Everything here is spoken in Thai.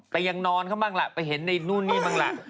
แต่ยังนอนเขาบ้างล่ะไปเห็นในนู่นนี่บ้างล่ะ